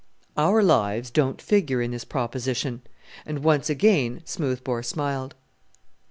"Our lives don't figure in this proposition," and once again Smoothbore smiled.